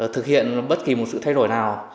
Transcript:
thực hiện bất kỳ một sự thay đổi nào